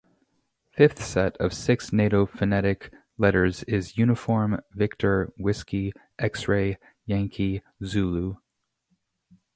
Fifth set of six Nato phonetic letters is Uniform, Victor, Whiskey, Xray, Yankee, Zulu.